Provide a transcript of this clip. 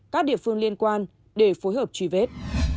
các địa phương liên quan để phối hợp truy vết